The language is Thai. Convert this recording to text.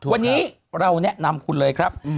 วันนี้เราแนะนำคุณเลยครับ